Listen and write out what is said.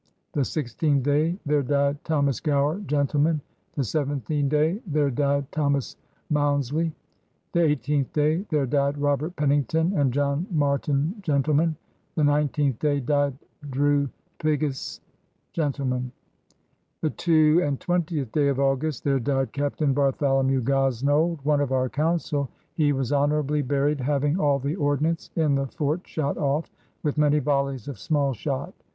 The sixteenth day their died Thomas Gower gentleman. The seventeenth day their died Thomas Mounslie. The eighteenth day theer died Robert Pennington and John Martine gentlemen. The nineteenth day died Drue Piggase gentleman. The two and twentieth day of August there died Captain Bartholomew Grosnold one of our Councell, he was honourably buried having all the Ordnance in the Fort shot off , with many vollies of small shot.